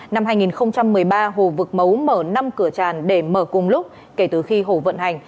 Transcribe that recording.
năm hai nghìn một mươi ba hồ vực mấu mở năm cửa tràn để mở cùng lúc kể từ khi hồ vận hành